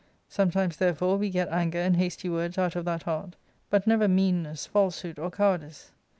Sometimes therefore, we get anger and hasty words out of that heart, but never meanness, falsehood, or cowardice.